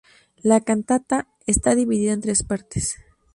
La cantata está dividida en tres partes.